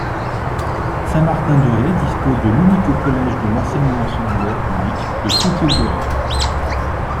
Saint-Martin-de-Ré dispose de l'unique collège de l'enseignement secondaire public de toute l'île de Ré.